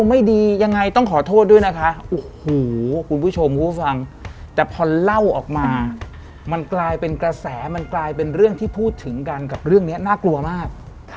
มันกลายเป็นกระแสมันกลายเป็นเรื่องที่พูดถึงกันกับเรื่องนี้น่ากลัวมาก